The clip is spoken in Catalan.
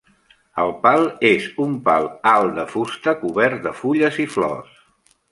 El pal és un pal alt de fusta cobert de fulles i flors.